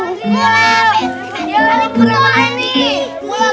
ya ya ya berapa ini